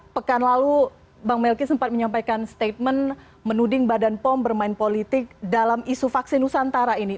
pekan lalu bang melki sempat menyampaikan statement menuding badan pom bermain politik dalam isu vaksin nusantara ini